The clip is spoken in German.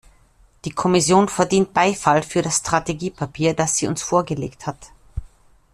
Die Kommission verdient Beifall für das Strategiepapier, das sie uns vorgelegt hat.